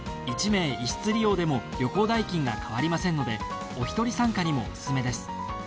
１名１室利用でも旅行代金が変わりませんのでおひとり参加にもオススメです。